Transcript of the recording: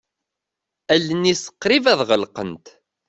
Allen-is qrib ad ɣelqent.